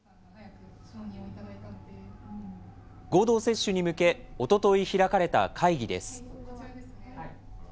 合同接種に向け、おととい開かれた会議です。